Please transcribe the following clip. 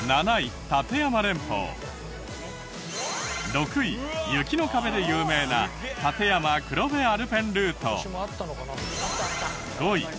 ６位雪の壁で有名な立山黒部アルペンルート。